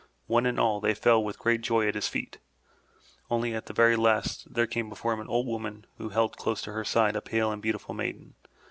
One and all, they fell with great joy at his feet. Only at the very last, there came before him an old woman who held close to her side a pale and beautiful maiden.